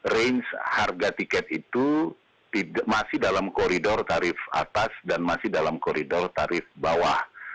range harga tiket itu masih dalam koridor tarif atas dan masih dalam koridor tarif bawah